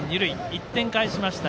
１点返しました。